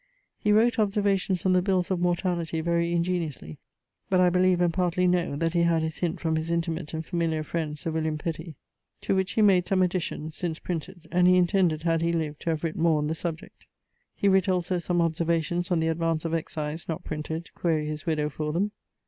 He wrote Observations on the bills of mortality very ingeniosely (but I beleeve, and partly know, that he had his hint from his intimate and familiar friend Sir William Petty), to which he made some Additions, since printed. And he intended, had he lived, to have writt more on the subject. He writt also some Observations on the advance of excise, not printed: quaere his widowe for them.